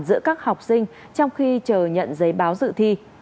giữa các học sinh trong khi chờ nhận giấy báo dự thi